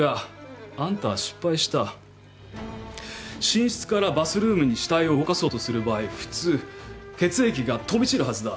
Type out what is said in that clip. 寝室からバスルームに死体を動かそうとする場合普通血液が飛び散るはずだ。